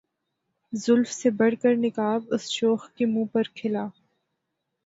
زلف سے بڑھ کر نقاب اس شوخ کے منہ پر کھلا